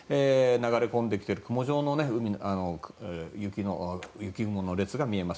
なだれ込んできて雲状の雪の列が見えます。